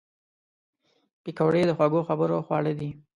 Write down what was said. پکورې د خوږو خبرو خواړه دي